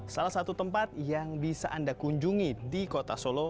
salah satu tempat yang bisa anda kunjungi di kota solo